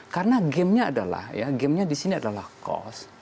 karena gamenya adalah ya gamenya di sini adalah cost